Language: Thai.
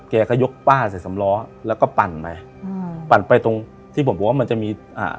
แกก็ยกป้าใส่สำล้อแล้วก็ปั่นไปอืมปั่นไปตรงที่ผมบอกว่ามันจะมีอ่า